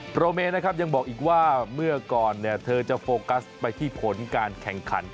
โรเมนะครับยังบอกอีกว่าเมื่อก่อนเธอจะโฟกัสไปที่ผลการแข่งขัน